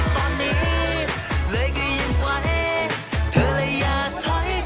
เพื่อนอนจะถ้อยไปเสียของ